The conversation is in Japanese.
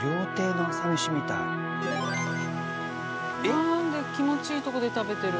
なんて気持ちいいとこで食べてる。